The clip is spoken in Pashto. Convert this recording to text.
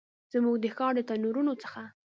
زموږ د ښار د تنورونو څخه